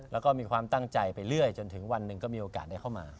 แล้วก็มีความตั้งใจไปเรื่อยจนถึงวันหนึ่งก็มีโอกาสได้เข้ามา